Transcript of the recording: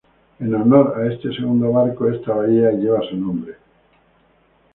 En honor a este segundo barco esta bahía lleva su nombre.